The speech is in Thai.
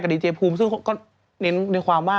กับดีเจภูมิซึกก็เน้นความว่า